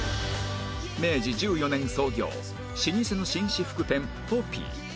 明治１４年創業老舗の紳士服店ポピー